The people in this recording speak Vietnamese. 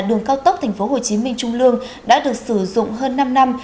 đường cao tốc tp hcm trung lương đã được sử dụng hơn năm năm